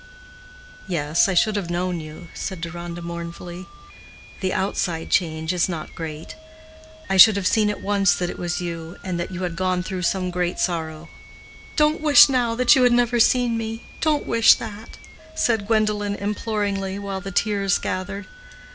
"Yes, I should have known you," said Deronda, mournfully. "The outside change is not great. I should have seen at once that it was you, and that you had gone through some great sorrow." "Don't wish now that you had never seen me; don't wish that," said Gwendolen, imploringly, while the tears gathered.